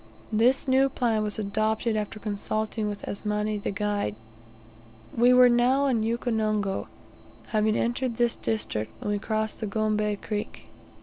This new plan was adopted after consulting with Asmani, the guide. We were now in Ukonongo, having entered this district when we crossed the Gombe creek.